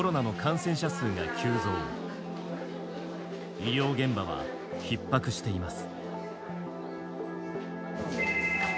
医療現場はひっ迫しています。